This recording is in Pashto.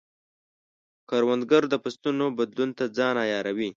کروندګر د فصلونو بدلون ته ځان عیاروي